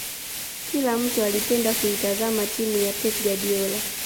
Kila mtu aliipenda kuitazama timu ya pep guardiola